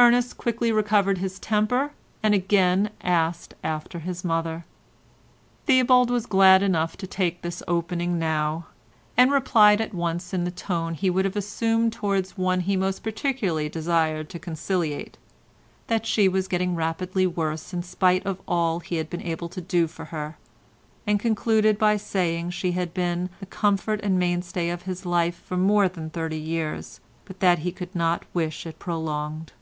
Ernest quickly recovered his temper and again asked after his mother. Theobald was glad enough to take this opening now, and replied at once in the tone he would have assumed towards one he most particularly desired to conciliate, that she was getting rapidly worse in spite of all he had been able to do for her, and concluded by saying she had been the comfort and mainstay of his life for more than thirty years, but that he could not wish it prolonged.